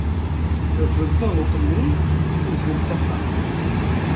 Refdent taduṭ-nni uzlent s axxam.